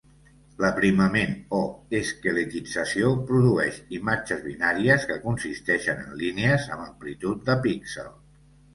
L'aprimament o esqueletització produeix imatges binàries que consisteixen en línies amb amplitud de píxel.